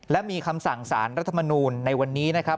และมีคำสั่งสารรัฐมนูลในวันนี้นะครับ